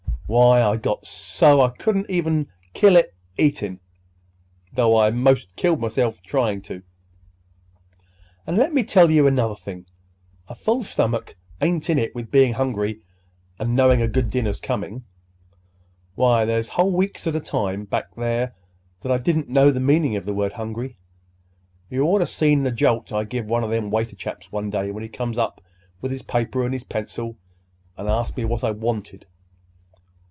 Why, I got so I couldn't even kill it eatin'—though I 'most killed myself tryin' to! An' let me tell ye another thing. A full stomach ain't in it with bein' hungry an' knowing a good dinner's coming. Why, there was whole weeks at a time back there that I didn't know the meaning of the word 'hungry.' You'd oughter seen the jolt I give one o' them waiter chaps one day when he comes up with his paper and his pencil and asks me what I wanted.